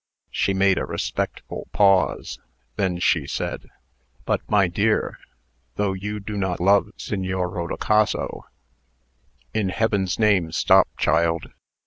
She made a respectful pause. Then she said: "But, my dear mistress, though you do not love Signor Rodicaso " "In Heaven's name, stop, child!